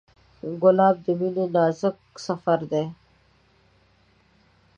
ګلاب د مینې نازک سفر دی.